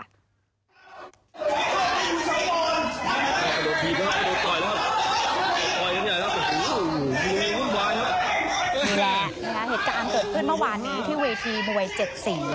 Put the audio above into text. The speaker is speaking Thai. นี่แหละนะคะเหตุการณ์เกิดขึ้นเมื่อวานนี้ที่เวทีมวยเจ็ดสี